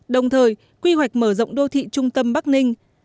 đồng thời quy hoạch mở rộng đô thị trung tâm bắc ninh